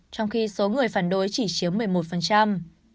trong khi số người phản đối chỉ chiếm một mươi một